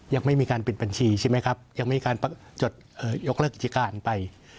ยังไม่มีการปิดบัญชีใช่ไหมครับยังมีการจดยกเลิกกิจการไป